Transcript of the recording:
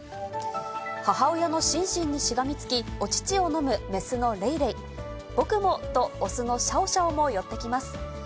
母親のシンシンにしがみつき、お乳を飲む雌のレイレイ、僕もと、雄のシャオシャオも寄ってきます。